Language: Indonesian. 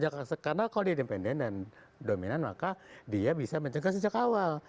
karena kalau dia independen dan dominan maka dia bisa menjaga sejak awal